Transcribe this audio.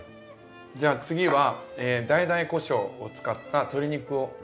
じゃあ次はダイダイこしょうを使った鶏肉を。